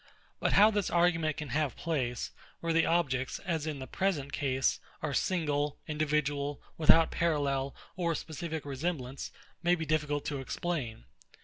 But how this argument can have place, where the objects, as in the present case, are single, individual, without parallel, or specific resemblance, may be difficult to explain.